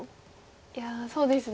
いやそうですね。